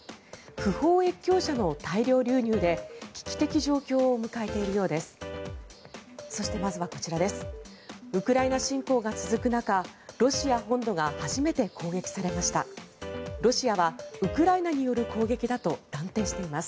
不法越境者の大量流入で危機的状況を迎えているようです。